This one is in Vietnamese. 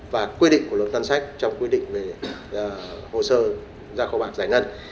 và quy định của luật đăng sách trong quy định về hồ sơ gia khóa bạc giải ngân